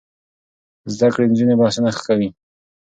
زده کړې نجونې بحثونه ښه کوي.